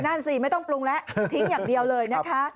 นั่นสิไม่ต้องปรุงแล้วทิ้งอย่างเดียวเลยนะคะ